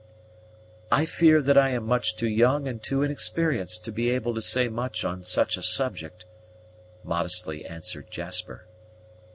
"I fear that I am too young and too inexperienced to be able to say much on such a subject," modestly answered Jasper.